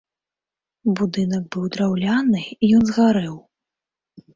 Будынак быў драўляны, ён згарэў.